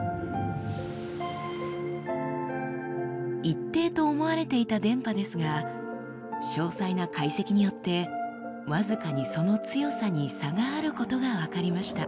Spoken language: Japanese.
一定と思われていた電波ですが詳細な解析によって僅かにその強さに差があることが分かりました。